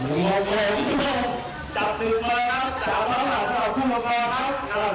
ดีใจไหม